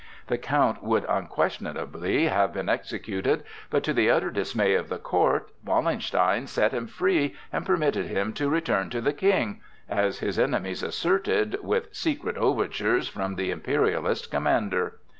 The Count would unquestionably have been executed, but to the utter dismay of the court Wallenstein set him free and permitted him to return to the King,—as his enemies asserted, with secret overtures from the Imperialist commander.